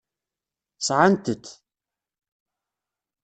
Sɛant-t.